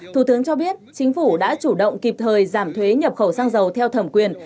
thủ tướng cho biết chính phủ đã chủ động kịp thời giảm thuế nhập khẩu xăng dầu theo thẩm quyền